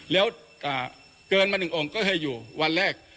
แล้วเกินมาหนึ่งองค์ก็ให้อยู่วันแรก